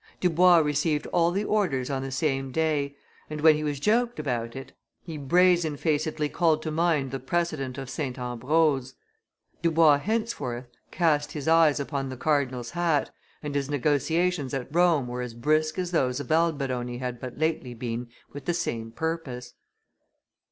Dubois received all the orders on the same day; and, when he was joked about it, he brazen facedly called to mind the precedent of St. Ambrose. Dubois henceforth cast his eyes upon the cardinal's hat, and his negotiations at Rome were as brisk as those of Alberoni had but lately been with the same purpose.